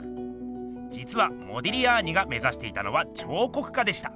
じつはモディリアーニが目ざしていたのは彫刻家でした。